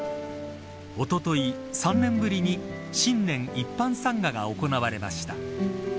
おととい、３年ぶりに新年一般参賀が行われました。